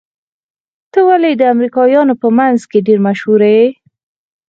ته ولې د امريکايانو په منځ کې ډېر مشهور يې؟